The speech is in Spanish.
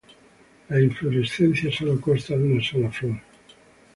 La inflorescencia sólo consta de una sola flor.